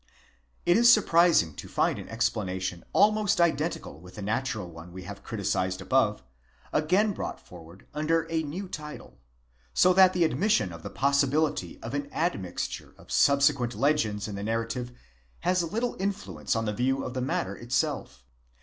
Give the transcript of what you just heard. It is surprising to find an explanation almost identical with the natural one we have criticised above, again brought forward under a new title ; so that the admission of the possibility of an admixture of subsequent legends in the nar rative has little influence on the view of the matter itself.